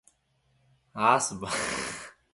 She then traded briefly between Hull and North America.